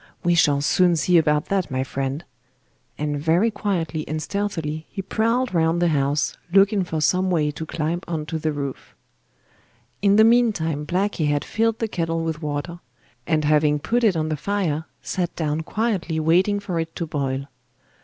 We shall soon see about that, my friend,' and very quietly and stealthily he prowled round the house looking for some way to climb on to the roof. In the meantime Blacky had filled the kettle with water, and having put it on the fire, sat down quietly waiting for it to boil.